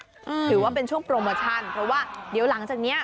ถือว่าเป็นช่วงโปรโมชั่นเพราะว่าเดี๋ยวหลังจากเนี้ย